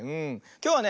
きょうはね